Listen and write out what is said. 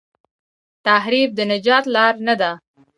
تحریف د نجات لار نه ده.